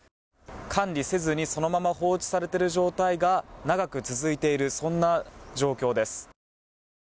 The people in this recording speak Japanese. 管理せずにそのまま放置されている状態が長く続いているそんな状況です。